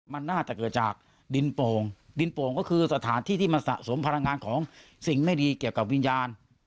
มันน่าจะเกิดจากดินโป่งดินโป่งก็คือสถานที่ที่มันสะสมพลังงานของสิ่งไม่ดีเกี่ยวกับวิญญาณ